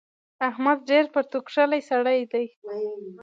احمد ډېر پرتوګ کښلی سړی دی.